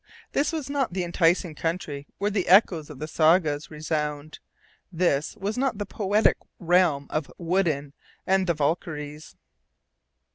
this was not the enticing country where the echoes of the sagas resound, this was not the poetic realm of Wodin and the Valkyries.